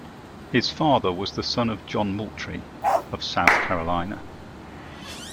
His father was the son of John Moultrie of South Carolina.